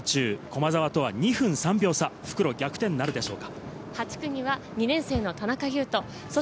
駒澤と２分３秒差、復路逆転なるでしょうか。